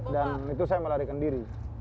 dan itu saya melarikan diri